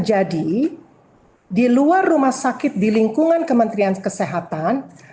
jadi di luar rumah sakit di lingkungan kementerian kesehatan